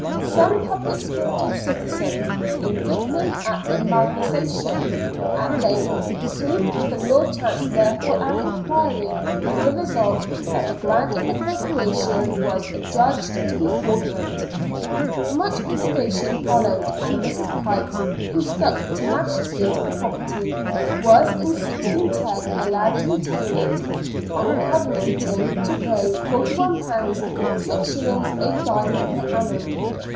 Some public spirited citizens, indignant at the malversation, at length sued the Lord Chancellor for an inquiry, with the result that the grant of the Corporation was adjudged to be fraudulent. Much litigation followed, and Mrs. Pykes, who stuck tenaciously to the property, was in 1610 allowed to retain it, on covenanting to pay £41 6s. 8d. per annum.